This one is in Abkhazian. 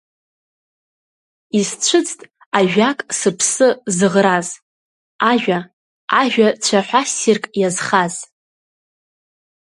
Исцәыӡт ажәак сыԥсы зыӷраз, ажәа, ажәа цәаҳәа ссирк иазхаз.